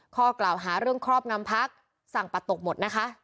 ข้อกล่าวหาเรื่องครอบงำพักสั่งปัดตกหมดนะคะ